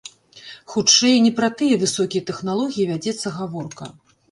Хутчэй, не пра тыя высокія тэхналогіі вядзецца гаворка.